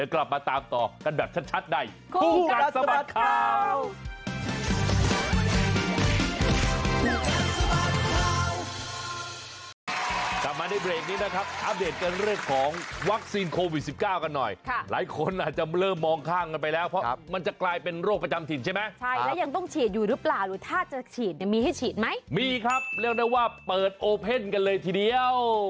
เอ้าคุณผู้ชมครับเดี๋ยวเราจะพักกันอีกแปปเดี๋ยวชั่วหน้าเดี๋ยวกลับมาตามต่อกันแบบชัดได้